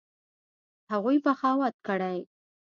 هغوى بغاوت کړى.